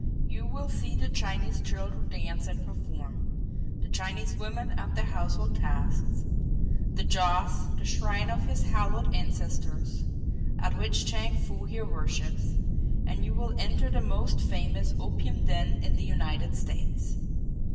You will see the Chinese children dance and perform; the Chinese women at their household tasks; the joss, the shrine of his hallowed ancestors, at which Chang Foo here worships; and you will enter the most famous opium den in the United States.